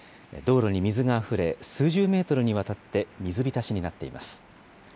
道路に水があふれ、数十メートルにわたって水浸しになっています。